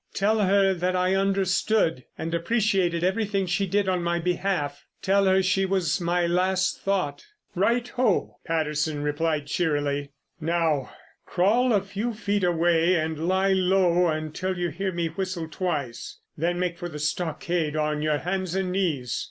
Tell her that I understood and appreciated everything she did on my behalf—tell her she was my last thought." "Right ho," Patterson replied cheerily. "Now, crawl a few feet away and lie low until you hear me whistle twice. Then make for the stockade on your hands and knees.